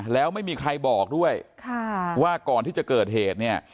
แล้วไม่มีใครบอกด้วยว่าก่อนที่จะเกิดเหตุเนี่ย